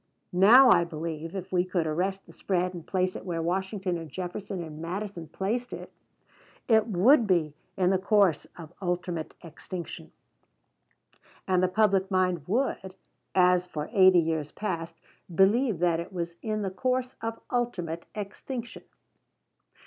Now I believe, if we could arrest the spread and place it where Washington and Jefferson and Madison placed it, it would be in the course of ultimate extinction, and the public mind would, as for eighty years past, believe that it was in the course of ultimate extinction.